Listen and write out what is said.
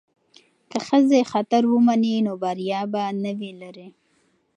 که ښځې خطر ومني نو بریا به نه وي لرې.